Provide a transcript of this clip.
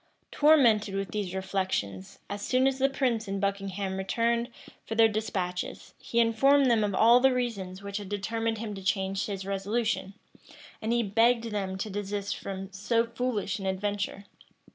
[]* Clarendon, vol. i. p. 11, 12. Clarendon, vol. i. p. 14. Tormented with these reflections, as soon as the prince and Buckingham returned for their despatches, he informed them of all the reasons which had determined him to change his resolution; and he begged them to desist from so foolish an adventure.